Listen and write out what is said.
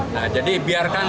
nah jadi biarkan